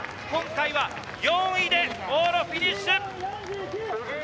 今回は４位で往路フィニッシュ。